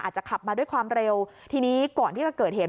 อาจจะขับมาด้วยความเร็วทีนี้ก่อนที่จะเกิดเหตุ